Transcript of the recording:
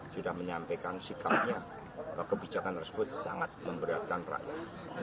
sudah menyampaikan sikapnya kebijakan tersebut sangat memberatkan rakyat